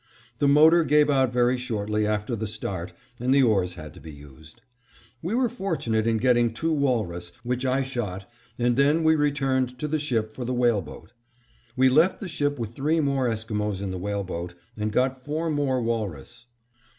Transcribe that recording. The motor gave out very shortly after the start, and the oars had to be used. We were fortunate in getting two walrus, which I shot, and then we returned to the ship for the whale boat. We left the ship with three more Esquimos in the whale boat, and got four more walrus.